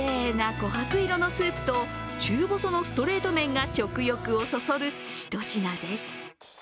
きれいなこはく色のスープと中細のストレート麺が食欲をそそる一品です。